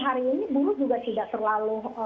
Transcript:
hari ini buruh juga tidak terlalu